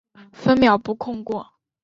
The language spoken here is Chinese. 分秒不空过